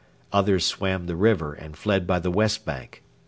Others swam the river and fled by the west bank.